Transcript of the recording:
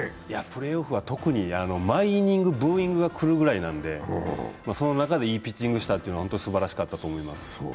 プレーオフは特に、毎イニング、ブーイングがくるくらいでその中でいいピッチングしたというのはすばらしかったと思います。